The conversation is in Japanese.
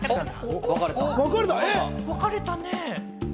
分かれたね。